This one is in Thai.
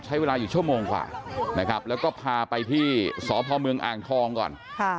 ใช้เวลาอยู่ชั่วโมงกว่านะครับแล้วก็พาไปที่สพเมืองอ่างทองก่อน